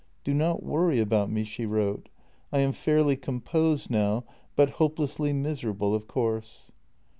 " Do not worry about me," she wrote. " I am fairly composed now, but hopelessly miserable, of course."